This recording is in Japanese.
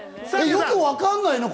よくわかんないの？